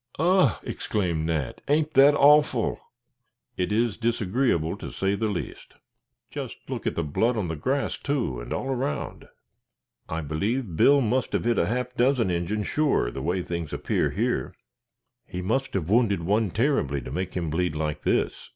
"Ugh!" exclaimed Nat; "ain't that awful?" "It is disagreeable, to say the least." "Just look at the blood on the grass, too, and all around. I believe Bill must have hit a half dozen Injins sure, the way things appear here." "He must have wounded one terribly to make him bleed like this."